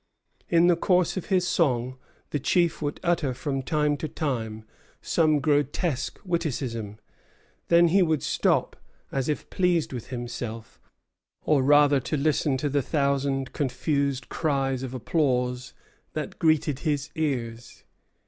In the course of his song the chief would utter from time to time some grotesque witticism; then he would stop, as if pleased with himself, or rather to listen to the thousand confused cries of applause that greeted his ears.